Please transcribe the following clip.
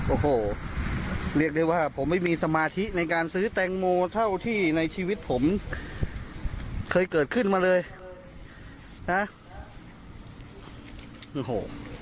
โอ้โหเรียกได้ว่าผมไม่มีสมาธิในการซื้อแตงโมเท่าที่ในชีวิตผมเคยเกิดขึ้นมาเลยนะโอ้โห